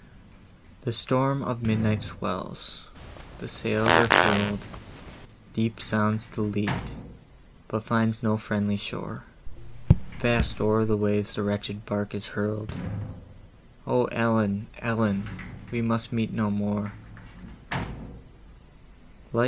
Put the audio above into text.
The storm of midnight swells, the sails are furl'd, Deep sounds the lead, but finds no friendly shore, Fast o'er the waves the wretched bark is hurl'd, "O Ellen, Ellen! we must meet no more!"